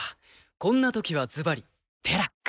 こんなときはズバリ「ペラック」。